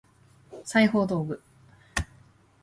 裁縫道具